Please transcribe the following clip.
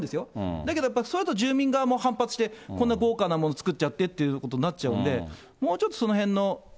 だけど、やっぱりそれだと住民側が反発して、こんな豪華なものを作っちゃってっていうことになっちゃうんで、もうちょっとそのへんの。